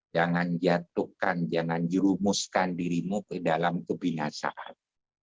jangan jatuhkan jangan jerumuskan dirimu ke dalam kebinasaan